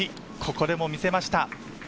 ここでも見せました。